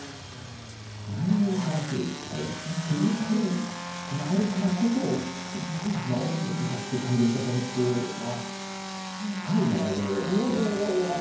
内面から来る疲れ気遣いがあるからこそ難しく感じるところというのは深い悩みのような気がしますね。